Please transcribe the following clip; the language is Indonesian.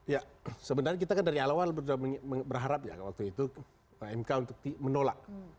ya sebenarnya kita kan dari awal sudah berharap ya waktu itu mk untuk menolak